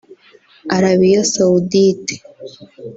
Arabiya Sawudite